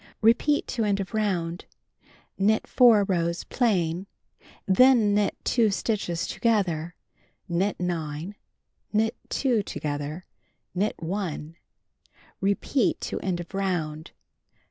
Repeat to end of round. Knit 4 rows plain. Then knit 2 stitches together, knit 9, knit 2 together, knit 1. Repeat to end of round.